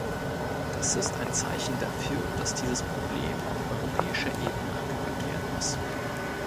Das ist ein Zeichen dafür, dass dieses Problem auf europäischer Ebene angepackt werden muss.